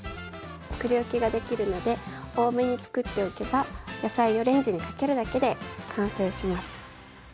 つくりおきができるので多めにつくっておけば野菜をレンジにかけるだけで完成します。